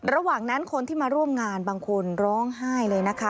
ระหว่างนั้นคนที่มาร่วมงานบางคนร้องไห้เลยนะคะ